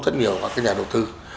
rất nhiều các nhà đầu thư